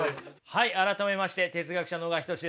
はい改めまして哲学者の小川仁志です。